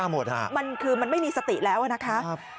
มันคือมันไม่มีสติแล้วนะคะ